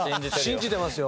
信じてますよ。